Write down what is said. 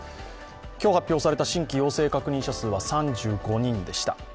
今日発表された新規陽性感染者数は３５人でした。